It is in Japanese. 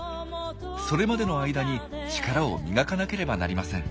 それまでの間に力を磨かなければなりません。